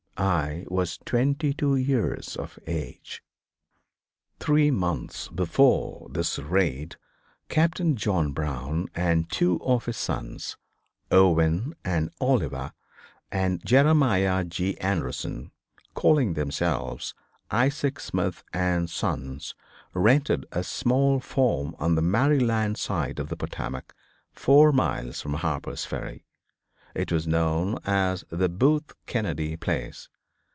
I was twenty two years of age. Three months before this raid Captain John Brown with two of his sons, Owen and Oliver, and Jeremiah G. Anderson, calling themselves "Isaac Smith and Sons" rented a small farm on the Maryland side of the Potomac four miles from Harper's Ferry. It was known as the "Booth Kennedy Place."